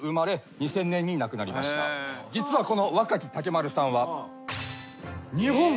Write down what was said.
実はこの若木竹丸さんは。